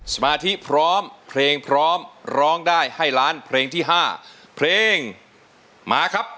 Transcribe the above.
สมาธิพร้อมเพลงพร้อมร้องได้ให้ล้านเพลงที่๕เพลงมาครับ